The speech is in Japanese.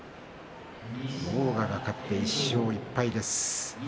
狼雅が勝って１勝１敗です。